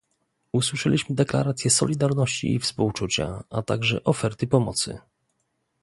Usłyszeliśmy deklaracje solidarności i współczucia, a także oferty pomocy